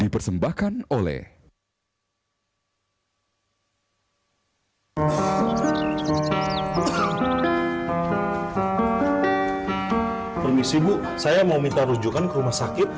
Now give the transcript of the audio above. dipersembahkan oleh permisi bu saya mau minta rujukan ke rumah sakit